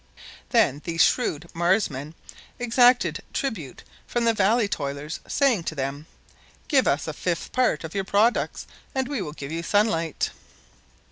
Then these shrewd Marsmen exacted tribute from the valley toilers, saying to them: "Give us a fifth part of your products, and we will give you sunlight."